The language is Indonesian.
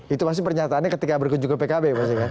itu masih pernyataannya ketika berkunjung ke pkb